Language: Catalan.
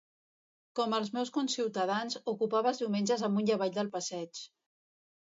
Com els meus conciutadans, ocupava els diumenges amunt i avall del passeig.